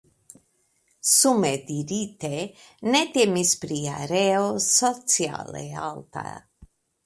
Sume dirite ne temis pri areo sociale alta.